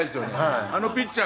あのピッチャー